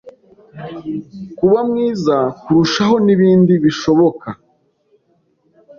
kuba mwiza kurushaho n’ibindi bishoboka